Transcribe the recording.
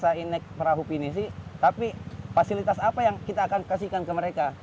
kita ingin membuat perahu penisi tapi fasilitas apa yang kita akan kasihkan ke mereka